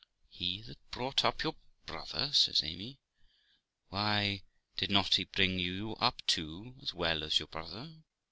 'He that brought up your brother?' says Amy. 'Why, did not he bring you up too, as well as your brother